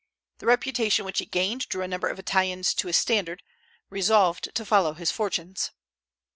The reputation which he gained drew a number of Italians to his standard, resolved to follow his fortunes.